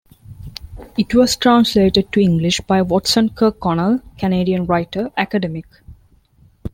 It was translated to English by Watson Kirkconnell, Canadian writer, academic.